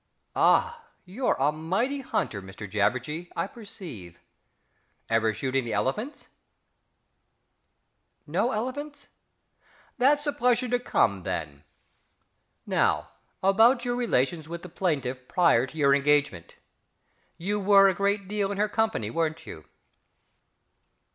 Ah, you're a mighty hunter, Mr JABBERJEE, I perceive! Ever shoot any elephants?... No elephants? That's a pleasure to come, then. Now, about your relations with the plaintiff prior to your engagement you were a good deal in her company, weren't you?...